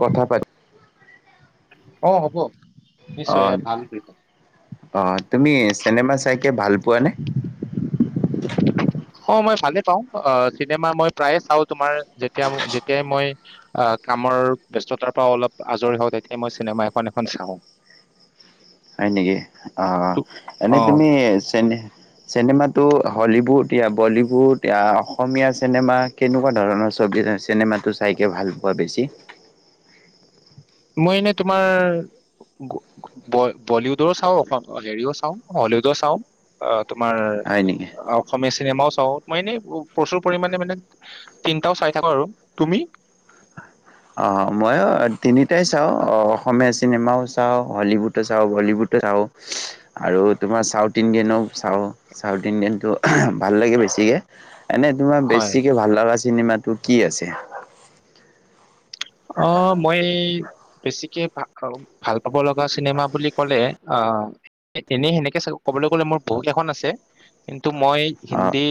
কথা পাতি অ হ'ব নিশ্চয় এ ভাল বুলি ক। অঁ তুমি চেনেমা চাইকে ভাল পোৱানে? অ মই ভালে পাওঁ অ চিনেমা মই প্ৰায়ে চাওঁ তোমাৰ যেতিয়া যেতিয়াই মই আহ কামৰ ব্যস্ততাৰ পৰা অলপ আজৰি হওঁ তেতিয়াই মই চিনেমা এখন এখন চাওঁ। হয় নেকি অ তো- অ এনেই তুমি চে চেনেমাটো হলিউড বলিউড অসমীয়া চিনেমা কেনেকুৱা ধৰণৰ ছবি চিনেমাটো চাইকে ভাল পোৱা বেছি। মই এনেই তোমাৰ বলীউডো চাওঁ হেৰিও চাওঁ হলিউডো চাওঁ। তোমাৰ, হয় নেকি? অসমীয়া চিনেমাও চ তও, মই এনে প্ৰচুৰ পৰিমণে মানে তিনটাও চাই থাকো আৰু, তুমি?। অ', ময়ো তিনিটাই চাওঁ অসমীয়া চিনেমাও চাওঁ, হলীউডো চাওঁ, বলীউডো চাওঁ আৰু তোমাৰ চাউথ ইণ্ডিয়ানো চাওঁ চাউথ ইণ্ডিয়ানটো ভাল লাগে বেছিকে। এনেই তোমাৰ হয় বেছিকে ভাল লগা চিনেমাটো কি আছে?। অ', মই বেছিকে ভা-ভাল পাব লগা চিনেমা বুলি ক'লে অ, এনেই সেনেকে ক'বলৈ গলে মোৰ বহুত কেইখন আছে। কিন্ তো মই অ', হিন্দী।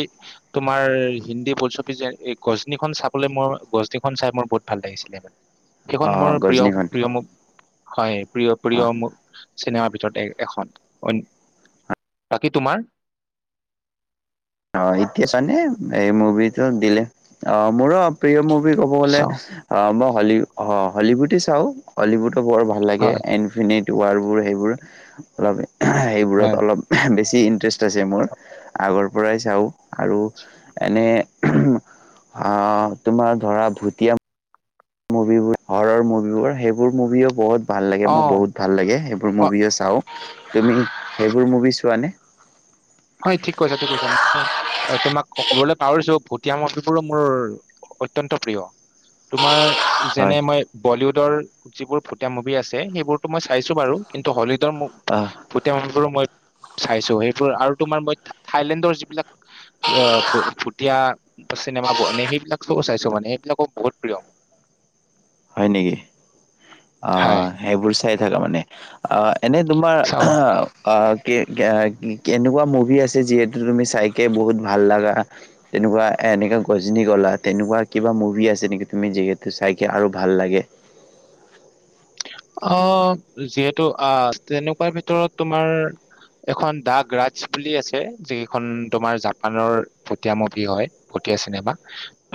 তো আমাৰ হিন্দী বোলছবি যে, এই গজননিখন চাবলৈ মোৰ গজননিখন চাই মোৰ বহুত ভাল লাগিছিলে। সেইখন অ', মোৰ গজনীখন। প্ৰিয়-প্ৰিয় মোক হয়। অ প্ৰিয়-প্ৰিয়, মো চিনেমাৰ ভিতৰত এ-এখন, অইন-বাকী তোমাৰ?। অ', এতিয়া [unintelligible] এই মুভিটো দিলে, অ', মোৰো প্ৰিয় মুভ ক'ব গলে, চাওঁ অ', ম হলি, হ-হলিউডে চাওঁ, হলিউড টো বৰ ভাল লাগে হয় এনফিনিট ৱাৰবোৰ সেইবোৰ, অলপ [inaudible] সেইবোৰত হয় অলপ [inaudible] বেছি ইন্টাৰেষ্ট আছে মোৰ, আগৰ পৰাই চাওঁ, আৰু এনে অঁ তোমাৰ ধৰা ভুটীয়া মুভিবোৰ, হৰৰ মুভিবোৰ সেইবোৰ মুভিও বহুত ভাল লাগে অ মোক বহুত ভাল লাগে, সেইবোৰ অ মুভিও চাওঁ। তুমি সেইবোৰ মুভি চোৱানে?। হয়, ঠিক কৈছা, ঠিক কৈছা মই তোমাক ক'বলৈ পাহৰিছো ভুটীয়া মুভিবোৰো মোৰ অত্যন্ত প্ৰিয়। তোমাৰ, হয় যেনে মই বলিউড যিবোৰ ভূটীয়া মুভি আছে, সেইবোৰতো মই চাই চাইছো বাৰু, কিন্তু হলিউডৰ আহ ভূটীয়া মুভি বোৰো মই চাইছো সেইবোৰ, আৰু তোমাৰ মই থাইলেণ্ডৰ যিবিলাক আ, ভু-ভুটিয়া চিনেমা বো-মানে সেইবিলাক চব চাইছো মানে, সেইবিলাকো বহুত প্ৰিয়। হয় নেকি। হয় অঁ', সেইবোৰ চাই থাকা মানে, অঁ এনে তোমাৰ চাও অঁ', কেনেকুৱা মুভ মুভি আছে যিহেতু তুমি চাইকে বহুত ভাল লাগা, তেনেকুৱা এনেকে গজনি ক'লা, তেনেকুৱা কিবা মুভি আছে নেকি তুমি যিহেতু চাইকে আৰু ভাল লাগে। অঁ', যিহেতু আঁ', তেনেকুৱা ভিতৰত তোমাৰ এখন দা গ্ৰাজ বুলি আছে, যিখন তোমাৰ জাপানৰ ভুটীয়া মুভি হয়, ভুটীয়া চিনেমা।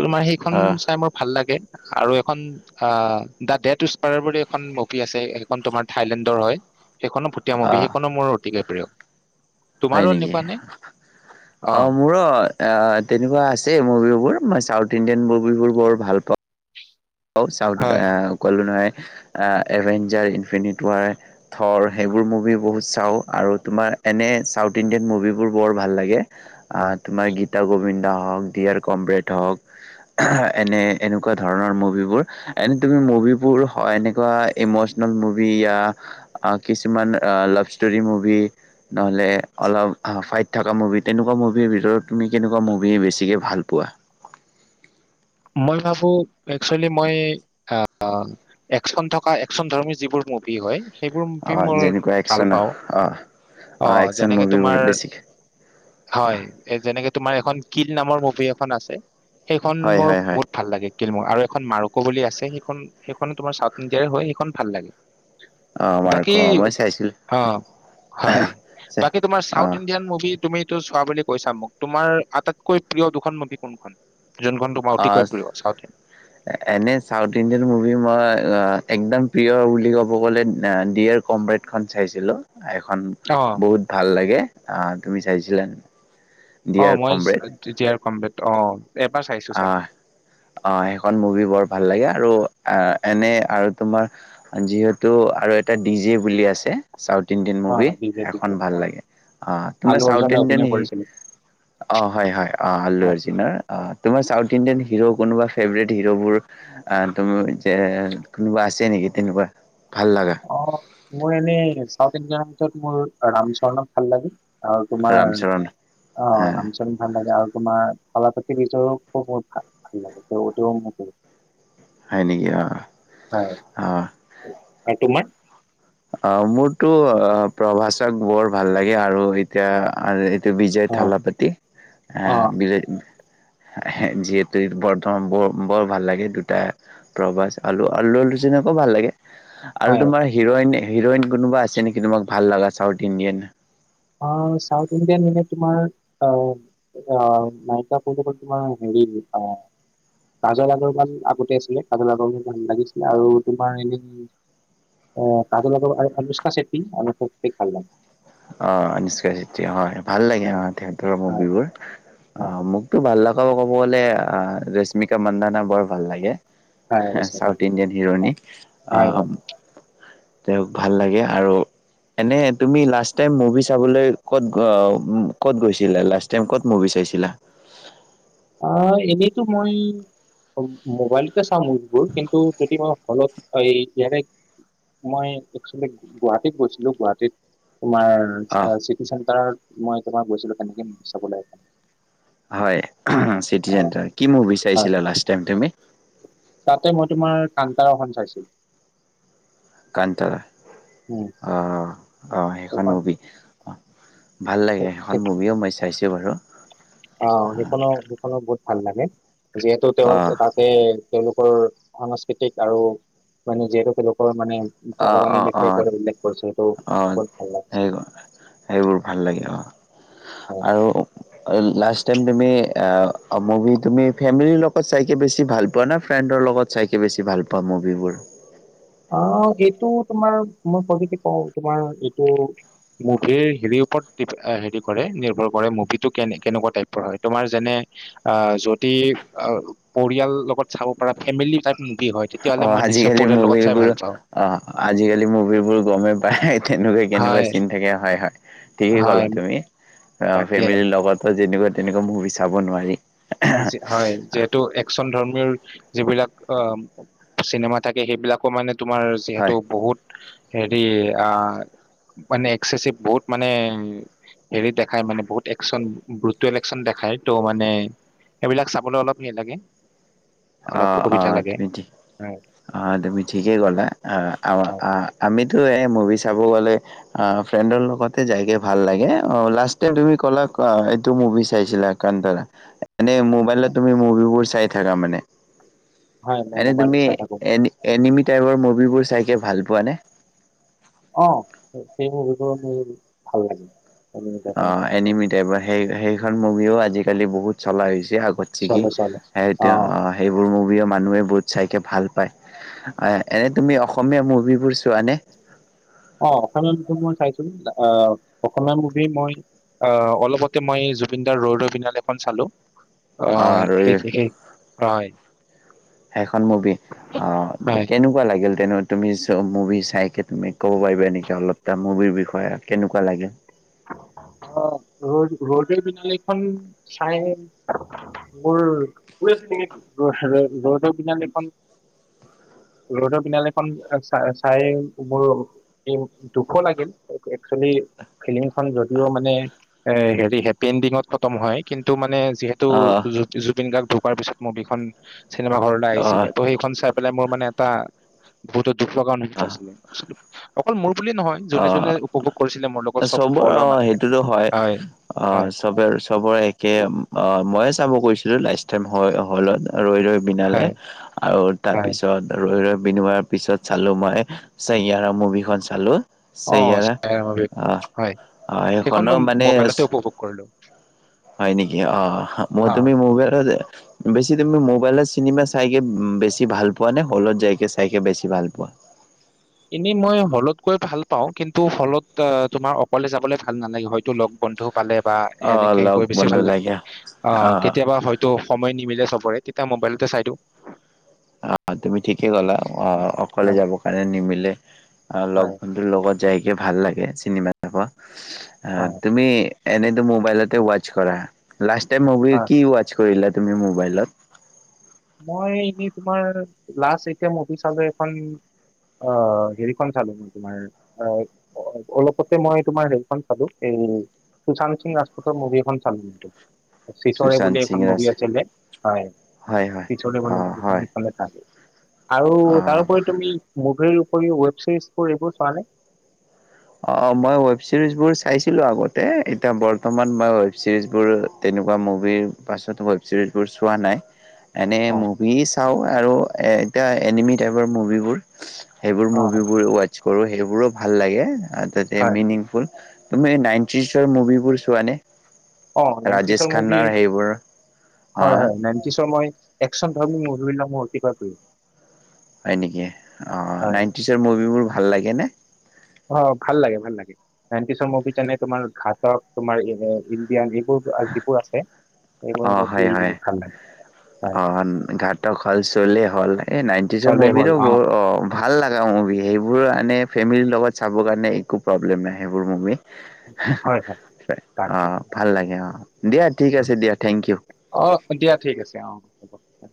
তোমাৰ সেইখন আহ চাই মোৰ ভাল লাগে। আৰু এখন, অঁ দা ডটসপাৰ বুলি। খন মুভি আছে, সেইখন তোমাৰ থাইলেণ্ডৰ হয়। সেইখনো ভুটিয়ামূভি আহ সেইখনো মোৰ অতিকে প্ৰিয় হয় তোমাৰো নেকি। এনেকুৱা নে অ অঁ মোৰো তেনেকুৱা আছে মভিবোৰ, মই চাউথ ইণ্ডিয়ান বোৰ বৰ ভাল পাওঁ। অঁ চাউথ হয় কলো নহয় এভেঞ্জাৰ, ইনফিনিট, ৱাৰ থৰ, সেইবোৰ মুভি বহুত চাওঁ, আৰু তোমাৰ এনে চাউথ ইণ্ডিয়ান মুভিবোৰ বৰ ভাল লাগে। অঁ, তোমাৰ গীতা গোবিন্দা হওঁক দিয়াৰ কমৰেড হওঁক, এনে এনেকুৱা ধৰণৰ মোক এনে তুমি মুভিবোৰ এনেকুৱা ইমোচনেল মুভি য়া আৰু কিছুমান লাভ ষ্টোৰি মুভি নহলে আৰু ফাইট থাকা মুভি তেনেকুৱা মুভিৰ ভিতৰত তুমি কেনেকুৱা মুভি বেছিকৈ ভাল পোৱা মই ভাবো একচুৱেলি মই একচন থকা একচন ধৰ্মী যিবোৰ মুভি হয়। সেইবোৰ অ মুভি মোৰ যেনেকুৱা ভাল একচন পাওঁ অ অ অঁ একচন যেনেকৈ মুভিবোৰ তোমাৰ বেছিকে হয় এ যেনেকৈ তোমাৰ এখন কিত নামৰ মুভি এখন আছে সেইখন হয় হয় হয় মোৰ ভাল লাগে কিলমৰ আৰু এখন মাৰুকো বুলি আছে সেইখন সেইখনো তোমাৰ চাউথ ইণ্ডিয়াৰে হয় সেইখন ভাল লাগে অ মাৰ্ক বাকী মই চাইছিলো অ হয় চে- বাকী তোমাৰ অ চাউথ ইণ্ডিয়ান মুভি তুমিটো চোৱা বুলি কৈছা মোক তোমাৰ আটাইতকৈ প্ৰিয় দুখন মুভি কোনখন যোনখন তোক অহ এনেই চাউথ ইণ্ডিয়ান মুভি মই একদম প্ৰিয় বুলি ক'ব গ'লে ডিয়েৰ কমৰেড খন চাইছিলো এখন ইণ্ডিয়ান। অ', বহুত ভাল লাগে অহ তুমি চাইছিলা অ ডিয়াৰ মই তেতিয়াৰ কম বেত অ এবাৰ চাইছো অ চাগে। অ সেইখন মুভি বৰ ভাল লাগে আৰু অ এনে আৰু তোমাৰ যিহেতু আৰু এটা ডি জে বুলি আছে চাউথ ইণ্ডিয়ান মুভি অ', বিজয় সেখন বিজয় ভাল অ', লাগে অ তোমাৰ আলু চাউথ অৰ্জুনে ইণ্ডিয়ান অভিনয় কৰিছিলে অ হয় হয় অ আল্লু হয়। অৰ্জুনৰ অ চাউথ ইণ্ডিয়ান হিৰো কোনোবা ফেভৰেট হিৰ'বোৰ তুমি যে কোনোবা আছে নেকি তেনেকোৱা অ মোৰ এনেই চাউথ ইণ্ডিয়ান ত মোৰ ৰামচৰণক ভাল লাগে আৰু তোমাৰ ৰামচৰণ অ হ ৰামচৰণ ভাল লাগে আৰু তোমাৰ থালাপাতি বিজয়কো বহুত ভাল লাগে ত সিও মোৰ ফেভৰেত হয় নেকি অ অ আৰু তোমাৰ অ মোৰতো অ প্ৰভাষক বৰ ভাল লাগে আৰু এতিয়া আৰু বিজয় অ', থালাপতি অঁ অ', বিজয় যিহেতু বৰ্ত বৰ বৰ ভাল লাগে দুটা প্ৰভাষ আলু আলু অৰ্জুনকো ভাল লাগে আৰু হয় তোমাৰ হিৰইন হিৰইন কোনোবা আছে নেকি তোমাক ভাল লগা চাউথ ইণ্ডিয়ান অহ চাউথ ইণ্ডিয়ান এনে তোমাৰ অহ অহ নায়িকা ভিতৰত তোমাৰ হেৰি কাজল আগৰৱাল আগতে আছিলে কাজল আগৰবাল ভাল লাগিছিলে আৰু তোমাৰ এনেই কাজল আগৰ আৰু অনুষ্কাচেত্ৰীক ভাল লাগে অ অনুস্কা চেত্ৰী হয় ভাল লাগে হয় অ থিয়েটাৰৰ হয় মুভিবোৰ অ হয় মোকতো ভাল লগ আকৌ ক'ব গ'লে ৰশ্মিকা মন্ডানা বৰ ভাল লাগে হয় আছে ভাল চাউথ ইণ্ডিয়ান হিৰ'ইনি হয় হয় আহ হয়। তেওঁক ভাল লাগে আৰু এনে তুমি লাষ্ট টাইম মুভি চাবলৈ ক'ত ক'ত গৈছিলা লাষ্ট টাইম ক'ত মুভি চাইছিলা অ এনেইতো মই মোবাইলতে চাওঁ মুভিবোৰ কিন্তু যদি মই হলত মই [unintelligible] একচুৱেলী গুৱাহাটীত গৈছিলো গুৱাহাটীত তোমাৰ অ চিটি চেণ্টাৰত মই এক বাৰ গৈছিলো তেনেকে মুভি চাবলৈ এখন। হয়। City centre. কি মুভিা অ ছাইছিলা লাস্ট টাইম তুমি? তাতে মই তোমাৰ তাকদাৰখন চাইছিলোঁ। ইণ্টাৰা অহ-অহ, অহ সেইখন মুভি ভাল লাগে সেইখন মুভিও মই চাইছোঁ বাৰু। অ' সেইখনো সেইখনো বহুত লাগে যিহেতু অ তেওঁলোকে তাতে তেওঁলোকৰ সাংস্কৃতিক আৰু মানে যিহেতু তেওঁলোকৰ মানে ভগৱানৰ অ-অ-অ, বিষয়ে কৈ উল্লেখ কৰিছে সেইটো অ বহুত ভাল লাগিছে। সেই-সেইবোৰ ভাল লাগে অহ। আৰু লাষ্ট টাইম তুমি অ অ মুভি তুমি ফেমিলিৰ লগত চাইকে বেছি ভাল পোৱা না ফ্ৰেণ্ডৰ লগত চাইকে বেছি ভাল পোৱা মুভিবোৰ? অ এইটো তোমাৰ [unintelligible] তোমাৰ এইটো মুভিৰ হেৰী ওপৰত হেৰী কৰে, নিৰ্ভৰ কৰে মুভি টো কেনেকুৱা টাইপৰ হৈ। তোমাৰ যেনে আহ যদি পৰিয়াল লগত চাব পৰা, ফেমিলি টাইপ মুভি হৈ তেতিয়াহলে মই নিশ্চয় পঢ়িয়ালৰ লগত তোৰ অ আজিকালি মুভিবোৰ গমেই পায় তেনেকুৱা কেনেকুৱা হয়, চিন থাকে। হয়-হয় ঠিকেই ক'লা হয়, তুমি। তাকে ফেমিলি লগত যেনেকুৱা তেনেকুৱা মুভি চাব নোৱাৰি। হয় যিহেতু একচন ধৰ্ম যিবিলাক অ চিনেমা থাকে সেইবিলাকো মানে তোমাৰ যিহেতু হয় বহুত হেৰি আ মানে এক্সেচিভ বহুত মানে হেৰি দেখায় মানে বহুত একচন ভুটুৱেল একচন দেখায় ত' মানে এইবিলাক চাবলৈ অলপ হেৰি লাগে অলপ অ-অ অসুবিধা লাগে তুমি ঠিক। হয়। অ তুমি ঠিকেই কলা, হয় অ-আ-আ আমি এই এ মুভি চাব গ'লে, আহ ফ্ৰেণ্ডৰ লগতে যাইকে ভাল লাগে। অ লাষ্ট তুমি ক'লা এইটো মুভি চাইছিলা একান্তৰা মানে মোবাইলত হয় তুমিবোৰ চাই থাকা মানে? হয়, মই এনে মোবাইলত তুমি চাই থাকো এ এনিম তেওঁৰ মুভিবোৰ চাইকে ভাল পোৱা নে? অ সেইবোৰ ভিতৰত মুৰ ভাল লাগে। অ এনিমিটাই বা। সেই সেইখন মুভিও আজিকালি বহুত চলা হৈছে। আগত কি চলে চলে অ সেইবোৰ মুভি। মানুহে বহুত চাইকে ভাল পায় আহ এনে তুমি অসমীয়া মুভিবোৰ চোৱানে? অ অসমীয়া মুভি মই চাইছোন আহ অসমীয়া মুভি মই আহ অলপতে মই জুবিনদাৰ ৰই ৰই বিনালে এখন চালো। অ হয় সেই আৰু সেই হয়। সেইখন মুভি অ হয়। কেনেকুৱা লাগিল? তেনে তুমি চ মুভি চাই তুমি ক'ব পাৰিবা নেকি অলপ টাম। মুভিৰ বিষয়ে কেনেকুৱা লাগে। অ ৰৈ ৰৈ বিনালে খন চাই মোৰ ৰৈ ৰৈ বিনালেখন ৰৈ ৰৈ বিনালেখন চ চাই মোৰ দুখো লাগিল একচুৱেলি। ফিলিং খন যদিও মানে এ হেপি এণ্ডিঙত খতম হয় কিন্তু মানে, যিহেতু অ' জুবিন গাৰ্গ ঢো কৰোৱাৰ পিছত মভি খন চিনেমা ঘৰলৈ আহিছিলে অ' ত সেইখন চাই মোৰ মানে এটা ভোটত দুখ লগা অনুভৱ অ' পাইছিলে আ অকল মোৰ বুলি নহয় যোনে যোনে উপভোগ কৰিছিলে মোৰ লগত। চব চবৰে হলৰ অ মানুহখিনি সেইটোতো হয় অ হয় চবে চবৰে একে অ। মই চাব কৈছিলো লাষ্ট টাইম হয় হলত। ৰৈ ৰৈ বিনালে হয় আৰু হয় তাৰপিছত ৰৈ ৰৈ বিনোয়াৰ পিছত চালো মই চাইয়াৰা মুভিখন চালো। অ চৈয়াৰা চাইয়াৰা মুভি, অ অ সেইখনো মানে মোবাইলতে উপভোগ কৰিলো হয় নেকি অ মই হা তুমি মোবাইলত বেছ। তুমি মবাইলত চিনেমা চাইকে বেছি ভাল পোৱা নে হলত যাইকে চাইকে বেছি ভাল পোৱা। এনেই মই হলতকৈ ভাল পাওঁ কিন্তু হলত তোমাৰ অকলে যাবলৈ ভাল নালাগে হয়তো লগ বন্ধু। পালে বা অ হেনেকে লগ গৈ বেছি বন্ধু ভাল লাগে। অ কেতিয়াবা হয়তো সময় নিমিলে চবৰে। তেতিয়া মোবাইলতে চাই দিও। অ তুমি ঠিকেই কলা। অ অকলে হয় যাবৰ কাৰণে নিমিলে। অ লগ হয় বন্ধুৰ লগত, যাইকে ভাল লাগে চিনেমা চাবা। অ', হয় তুমি- এনেইতো মোবাইলতে ৱাচ কৰা। লাষ্ট টাইম মুভি হয় কি ৱাচ কৰিলা। তুমি মোবাইলত মই এনেই তোমাৰ লাষ্ট এতিয়া মুভি চালো, এখন অ', হেৰিখন চালো মই তোমাৰ অলপতে মই তোমাৰ হেৰিখন চালো এই সুশান্ত সিং ৰাজপুতৰ মুভিখন চালো। চিচৰে সুশান্ত বুলি সিং এখন ৰাজ মুভি আছিলে যে হয়। হয় হয় অ হয় [unintelligible] আৰু অ তাৰোপৰি তুমি মুভিৰ উৱেব চৰিজ এইবোৰ চোৱা নে। অ', মই ওৱেবচিৰিজবোৰ চাইছিলো আগতে এতিয়া বৰ্তমান মই ওৱেবচিৰিজবোৰ তেনেকুৱা মুভিৰ পাছতো ওৱেবচিৰিজবোৰ চোৱা নাই। এনেই অ', মুভি চাওঁ। আৰু এ এতিয়া এনিমি টাইপৰ মুভিবোৰ সেইবোৰ অ মুভিবোৰ ৱাইট কৰো সেইবোৰো ভাল লাগে। অ', তাতে হয়, হয়। মিনিংফুল তুমি এই নাইনটিজৰ মুভিবোৰ চোৱানে। অ', ৰাজেশ নাইনটিচৰ মুভি খান্নাৰ সেইবোৰ হয়, অ', হয় নাইনটিচৰ মই [unintelligible] হয়, নেকি অ', হয়, নাইনটিচৰ মুভিবোৰ ভাল লাগেনে? অ', ভাল লাগে, ভাল লাগে নাইনটিচৰ মুভি যেনে তোমাৰ ঘাটক তোমাৰ ইণ্ডিয়ান হিট যিবোৰ আছে। এইবোৰ অ', মুভি হয়, হয় ভাল লাগে। হয়, অ', ঘাতক হ'ল চলে হ'ল। এই নাইনটিজৰ চলে মুভি হ'ল বোৰ, অ', ভাল লগা মুভি সেইবোৰ মানে ফেমিলিৰ লগত চাবৰ কাৰণে একো প্ৰব্লেম নাই সেইবোৰ মুভি। [inaudible] হয়, হয়, তাকে অ', ভাল লাগে অ', দিয়া ঠিক অ', আছে দিয়া। ইউ। অ', দিয়া ঠিক অ', অ', হ'ব অ',